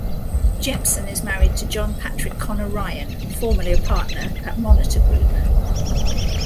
Jepsen is married to John Patrick Conor Ryan, formerly a partner at Monitor Group.